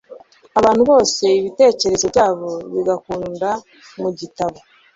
abantu bose ibitekerezo byabo bigukunda mu gitabo